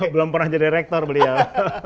belum pernah jadi rektor beliau